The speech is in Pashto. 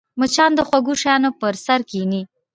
مچان د خوږو شیانو پر سر کښېني